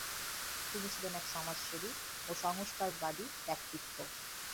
তিনি ছিলেন এক সমাজসেবী ও সংস্কারবাদী ব্যক্তিত্ব।